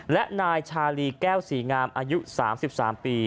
และนายชาลีแก้วศรีงามอายุ๓๓ปี